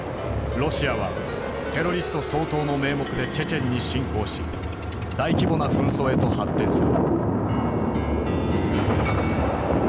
ロシアはテロリスト掃討の名目でチェチェンに侵攻し大規模な紛争へと発展する。